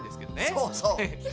そうそう。